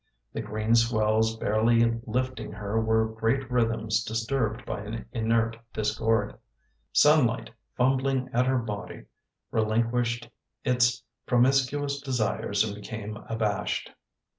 The green swells barely lifting her were great rhythms disturbed by an inert discord. Sunlight, fumbling at her body, relinquished its promiscuous desires and became abashed.